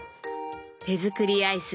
手作りアイス